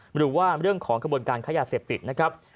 หรือว่าเรื่องของกระบวนการค้ายาเสพติดนะครับ